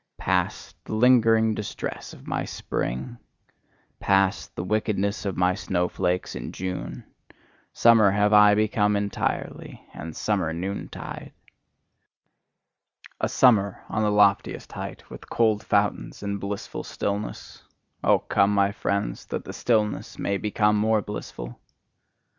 Past, the lingering distress of my spring! Past, the wickedness of my snowflakes in June! Summer have I become entirely, and summer noontide! A summer on the loftiest height, with cold fountains and blissful stillness: oh, come, my friends, that the stillness may become more blissful!